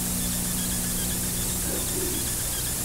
Aki-d!